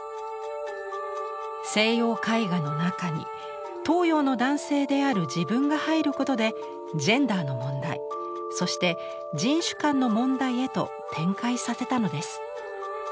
西洋絵画の中に東洋の男性である自分が入ることでジェンダーの問題そして人種間への問題へと展開させたのです。